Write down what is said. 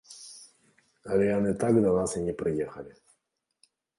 Але яны так да нас і не прыехалі.